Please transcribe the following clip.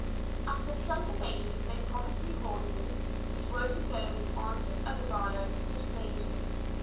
After some debating they promised me horses, which were to go on to Uddervalla, two stages.